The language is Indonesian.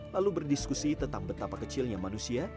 lalu berdiskusi tentang betapa kecilnya manusia